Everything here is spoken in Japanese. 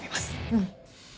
うん。